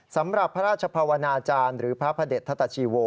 สำหรับพระราชภาวนาจารย์หรือพระพระเด็จทัตชีโว